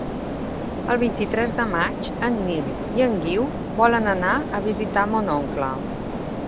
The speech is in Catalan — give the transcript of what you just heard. El vint-i-tres de maig en Nil i en Guiu volen anar a visitar mon oncle.